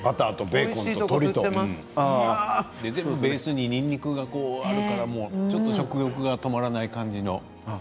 ベースに、にんにくがあるから食欲が止まらない感じの。